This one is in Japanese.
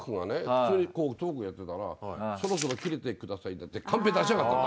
普通にトークやってたら「そろそろキレてください」ってカンペ出しやがったの。